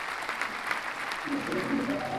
欢迎大家来找我